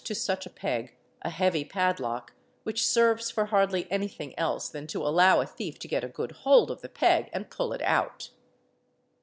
to such a peg a heavy padlock which serves for hardly any thing else than to allow a thief to get a good hold of the peg and pull it out.